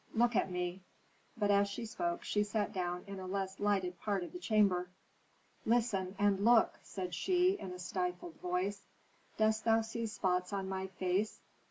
"Look at me!" But as she spoke she sat down in a less lighted part of the chamber. "Listen and look!" said she, in a stifled voice. "Dost thou see spots on my face?